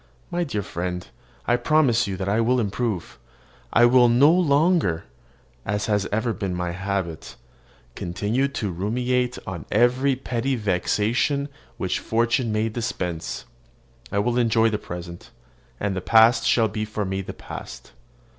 My dear friend I promise you I will improve; I will no longer, as has ever been my habit, continue to ruminate on every petty vexation which fortune may dispense; I will enjoy the present, and the past shall be for me the past.